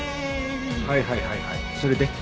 はいはいはいはいそれで？